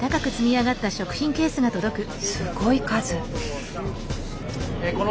すごい数！